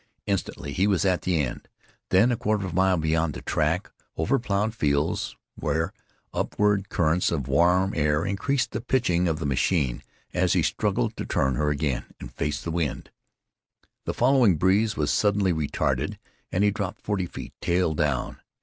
Instantly he was at the end; then a quarter of a mile beyond the track, over plowed fields, where upward currents of warm air increased the pitching of the machine as he struggled to turn her again and face the wind. The following breeze was suddenly retarded and he dropped forty feet, tail down.